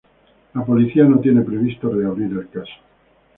La Policía no tiene previsto reabrir el caso.